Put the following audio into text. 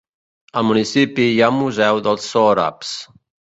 Al municipi hi ha un museu dels sòrabs.